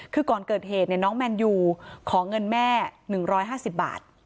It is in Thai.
คือก่อนเกิดเหตุน้องแมนยูขอเงินแม่๑๕๐บาท